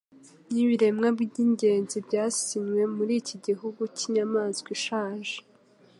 nibiremwa byingenzi byasinywe muriki gihe cy "inyamaswa ishaje"